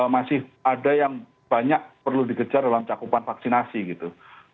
masih ada yang banyak perlu dikejar dalam cakupan vaksinasi gitu